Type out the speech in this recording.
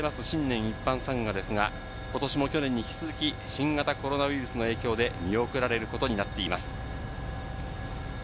新年一般参賀ですが、今年も去年に引き続き新型コロナウイルスの影響で見送られることになっています。